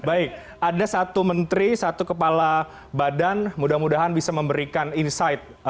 baik ada satu menteri satu kepala badan mudah mudahan bisa memberikan insight